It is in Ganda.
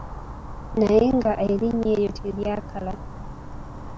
Naye nga erinnya eryo teryakala.